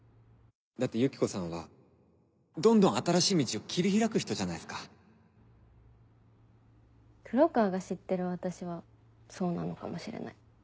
だってユキコさんはどんどん新しい道を切り開く人じゃないっすか黒川が知ってる私はそうなのかもしれない。